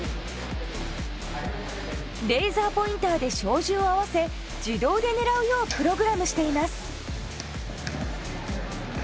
レーザーポインターで照準を合わせ自動で狙うようプログラムしています。